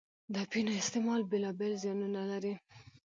د اپینو استعمال بېلا بېل زیانونه لري.